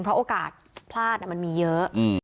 เพราะโอกาสพลาดมันมีเยอะ